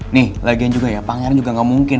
nih lagian pangeran juga gak mungkin